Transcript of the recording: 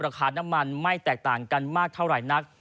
ราคาน้ำมันไม่แตกต่างกันมากเท่าไหร่นัก